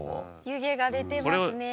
湯気が出てますね。